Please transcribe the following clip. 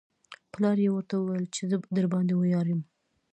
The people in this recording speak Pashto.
پلار یې ورته وویل چې زه درباندې ویاړم